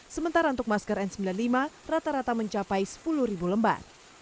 sementara untuk masker n sembilan puluh lima rata rata mencapai sepuluh lembar